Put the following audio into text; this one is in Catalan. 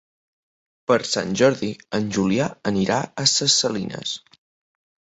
Per Sant Jordi en Julià anirà a Ses Salines.